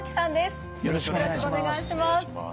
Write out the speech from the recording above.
よろしくお願いします。